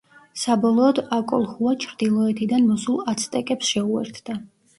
საბოლოოდ აკოლჰუა ჩრდილოეთიდან მოსულ აცტეკებს შეუერთდა.